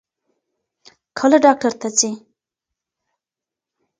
کله ډاکټر ته ځې؟